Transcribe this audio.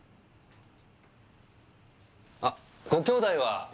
あっご兄弟は？